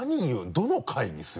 どの回にするの？